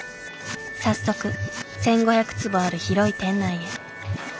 早速１，５００坪ある広い店内へ。